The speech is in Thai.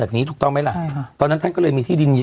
จากนี้ถูกต้องไหมล่ะใช่ค่ะตอนนั้นท่านก็เลยมีที่ดิน